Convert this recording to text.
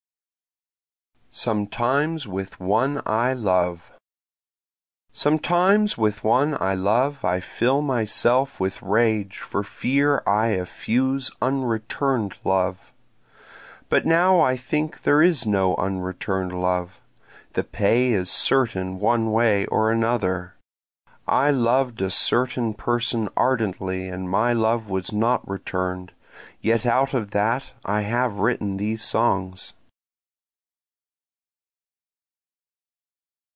Sometimes with One I Love Sometimes with one I love I fill myself with rage for fear I effuse unreturn'd love, But now I think there is no unreturn'd love, the pay is certain one way or another, (I loved a certain person ardently and my love was not return'd, Yet out of that I have written these songs.)